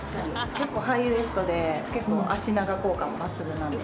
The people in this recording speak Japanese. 結構ハイウエストで、結構、脚長効果も抜群なんで。